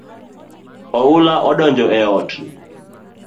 Oula odonjo e ot